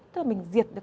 tức là mình diệt được